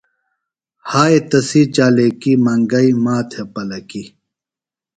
ہائے تسی چالاکی منگئی ماتھے پلَکی۔